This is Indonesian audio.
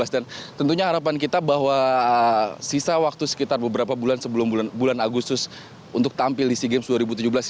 dan tentunya harapan kita bahwa sisa waktu sekitar beberapa bulan sebelum bulan agustus untuk tampil di sea games dua ribu tujuh belas